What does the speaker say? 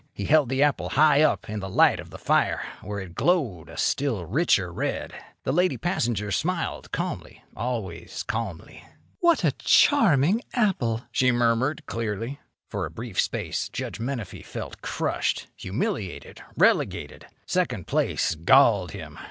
He held the apple high up in the light of the fire, where it glowed a still richer red. The lady passenger smiled calmly—always calmly. "What a charming apple!" she murmured, clearly. For a brief space Judge Menefee felt crushed, humiliated, relegated. Second place galled him.